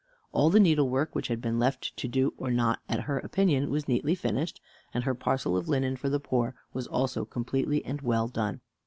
All the needlework which had been left to do or not, at her option, was neatly finished; and her parcel of linen for the poor was also completely and well done.